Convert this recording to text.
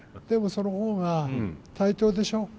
でもその方が対等でしょ。